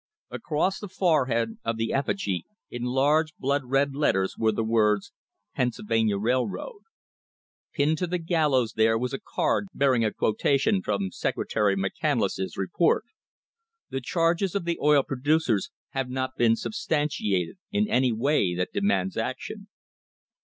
Across the forehead of the effigy in large blood red letters were the words : PENNSYLVANIA RAILROAD Pinned to the gallows there was a card bearing a quotation from Secretary McCandless's report: The charges of the oil producers have not been substantiated in any way that demands action.